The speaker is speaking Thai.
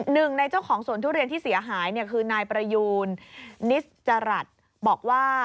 หนึ่งในเจ้าของสวนทุเรียนที่เสียหายคือนายประยูนนิสจรัสบอกว่า